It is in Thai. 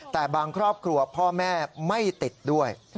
แต่บางครอบครัวพ่อแม่ไม่ติดด้วย